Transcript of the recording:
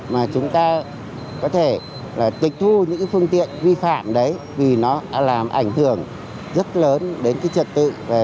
mà chúng ta có thể tịch thu những cái phương tiện vi phạm đấy vì nó làm ảnh hưởng rất lớn đến cái trật tự về an toàn của xã hội